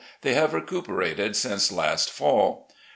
They have recuperated since last fall.